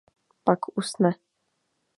Pak usne.